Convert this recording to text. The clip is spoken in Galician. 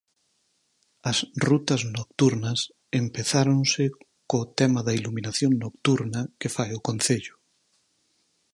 As rutas nocturnas empezáronse co tema da iluminación nocturna que fai o concello.